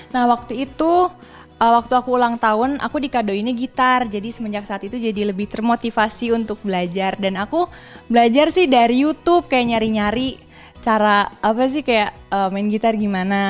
nah waktu itu waktu aku ulang tahun aku di kado ini gitar jadi semenjak saat itu jadi lebih termotivasi untuk belajar dan aku belajar sih dari youtube kayak nyari nyari cara apa sih kayak main gitar gimana